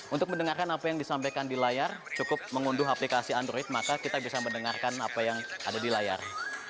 untuk mendengarkan apa yang disampaikan di layar cukup mengunduh aplikasi android maka kita bisa mendengarkan apa yang ada di layar